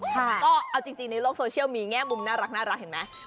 ก็เอาจริงในโลกโซเชียลมีแง่มุมน่ารักเห็นไหม